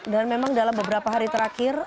dan memang dalam beberapa hari terakhir